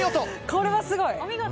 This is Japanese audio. これはすごい。